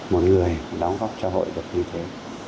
một người đóng góp cho hội được như thế